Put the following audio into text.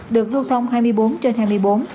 được lưu thông hai mươi bốn trên hai mươi bốn